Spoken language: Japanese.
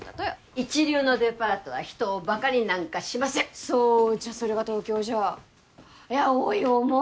一流のデパートは人をバカになんかしませんそうじゃそれが東京じゃいやおい思う